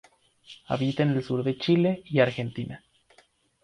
Habita en el sur de Chile y Argentina.